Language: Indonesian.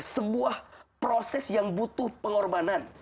sebuah proses yang butuh pengorbanan